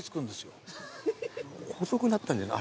・細くなったんじゃない？